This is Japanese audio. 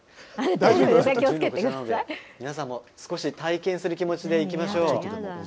皆さんも少し体験する気持ちでいきましょう。